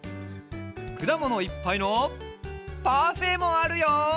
くだものいっぱいのパフェもあるよ。